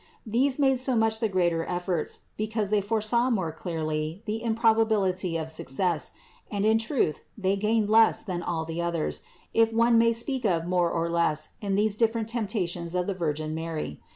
These made so much the greater efforts, because they foresaw more clearly the improbability of success ; and in truth they gained less than all the others, if one may speak of more or less in these different temptations of the Virgin Mary.